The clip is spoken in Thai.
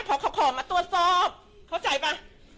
เพราะเขาขอมาตรวจสอบเข้าใจป่ะ